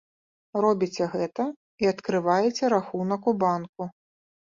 Робіце гэта, і адкрываеце рахунак у банку.